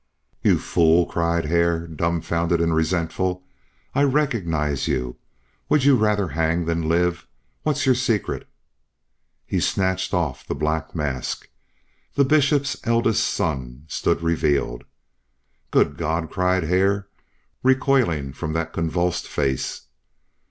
"You fool!" cried Hare, dumfounded and resentful. "I recognized you. Would you rather hang than live? What's your secret?" He snatched off the black mask. The Bishop's eldest son stood revealed. "Good God!" cried Hare, recoiling from that convulsed face.